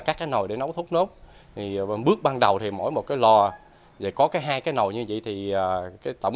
các cái nồi để nấu thốt nốt thì bước ban đầu thì mỗi một cái lò có cái hai cái nồi như vậy thì cái tổng